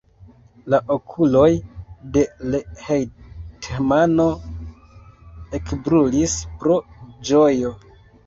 La okuloj de l' hetmano ekbrulis pro ĝojo.